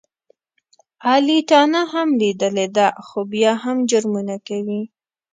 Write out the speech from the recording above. علي تاڼه هم لیدلې ده، خو بیا هم جرمونه کوي.